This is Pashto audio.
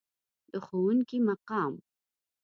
د ښوونکي مقام.